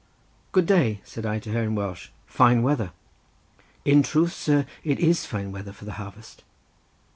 "Good day," said I to her in Welsh. "Fine weather." "In truth, sir, it is fine weather for the harvest."